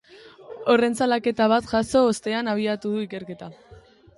Horren salaketa bat jaso ostean abiatu du ikerketa.